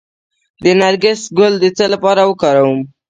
د نرګس ګل د څه لپاره وکاروم؟